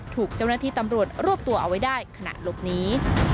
ถูกเจ้าหน้าที่ตำรวจรวบตัวเอาไว้ได้ขณะหลบหนี